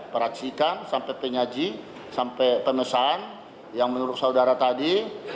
peraksikan sampai penyaji sampai pemesan yang menurut saudara tadi